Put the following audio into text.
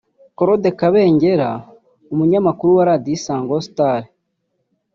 Claude Kabengera umunyamakuru wa Radio Isango Star